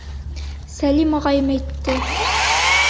— Сәлим ағайым әйтте!